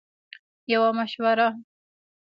- یوه مشوره 💡